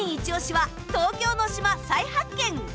は東京の島、再発見。